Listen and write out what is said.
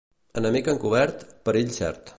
Enemic encobert, perill cert.